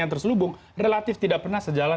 yang terselubung relatif tidak pernah sejalan